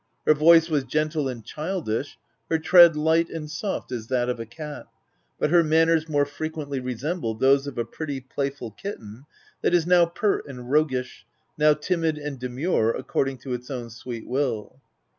Her voice was gentle and childish, her tread light and soft as that of a cat ;— but her manners more frequently resembled those of a pretty, playful kitten, that is now pert and roguish, now timid and demure, according to its own sweet will.